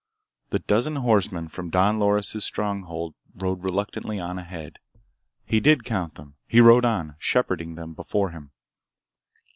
The dozen horsemen from Don Loris' stronghold rode reluctantly on ahead. He did count them. He rode on, shepherding them before him.